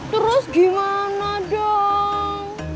terus gimana dong